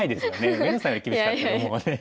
上野さんより厳しかったらもうね。